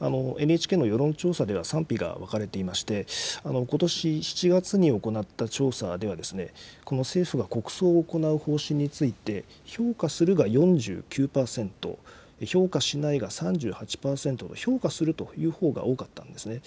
ＮＨＫの世論調査では賛否が分かれていまして、ことし７月に行った調査では、この政府が国葬を行う方針について、評価するが４９％、評価しないが３８％の、評価するというほうが多かったんですね。